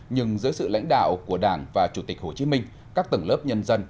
nhưng dưới sự lãnh đạo của đảng và chủ tịch hồ chí minh các tầng lớp nhân dân